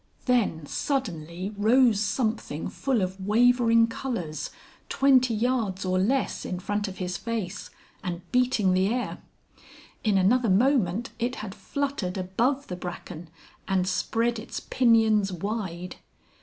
Then suddenly rose something full of wavering colours, twenty yards or less in front of his face, and beating the air. In another moment it had fluttered above the bracken and spread its pinions wide.